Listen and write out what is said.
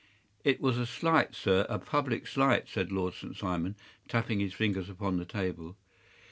” “It was a slight, sir, a public slight,” said Lord St. Simon, tapping his fingers upon the table.